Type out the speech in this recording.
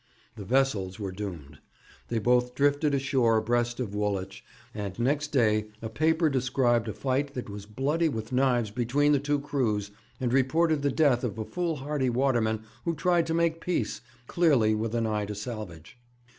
The vessels were doomed. They both drifted ashore abreast of Woolwich, and next day a paper described a fight that was bloody with knives between the two crews, and reported the death of a foolhardy waterman who tried to make peace, clearly with an eye to salvage.